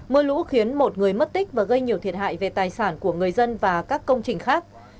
mưa lũ khiến một người mất tích và gây nhiều thiệt hại về tài sản của người dân và các công trình khác